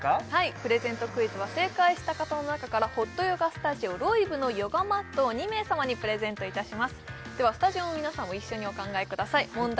プレゼントクイズは正解した方の中からホットヨガスタジオ・ロイブのヨガマットを２名様にプレゼントいたしますではスタジオの皆さんも一緒にお考えください問題